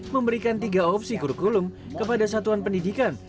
memberikan tiga opsi kurikulum kepada satuan pendidikan